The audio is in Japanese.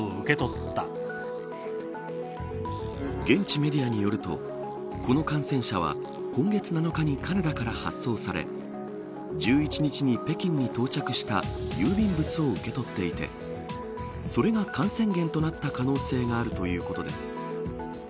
現地メディアによるとこの感染者は今月７日にカナダから発送され１１日に北京に到着した郵便物を受け取っていてそれが感染源となった可能性があるということです。